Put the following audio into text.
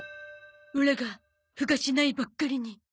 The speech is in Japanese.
オラがふ菓子ないばっかりに。